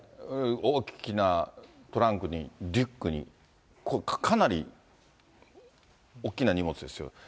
大きなトランクに、リュックに、これかなり大きな荷物ですよ。